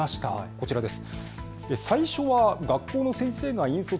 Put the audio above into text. こちらです。